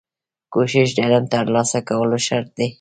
کوښښ د علم ترلاسه کولو شرط دی.